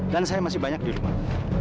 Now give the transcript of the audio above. dan saya masih banyak di rumah